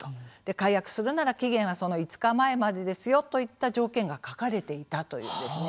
解約するには、期限はその５日前までですよという期限が書かれていたということです。